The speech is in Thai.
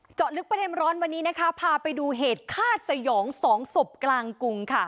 เจาะลึกประเด็นร้อนวันนี้ภาไปดูเหตุฆ่าสยอง๒สมกลางกุง